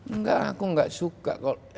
enggak aku gak suka